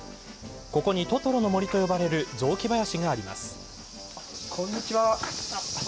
ここに、トトロの森と呼ばれる雑木林があります。